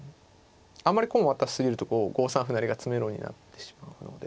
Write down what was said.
あんまり駒を渡し過ぎると５三歩成が詰めろになってしまうので。